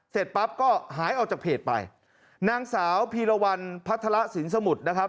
เสร็จปั๊บก็หายออกจากเพจไปนางสาวพีรวรรณพัฒระสินสมุทรนะครับ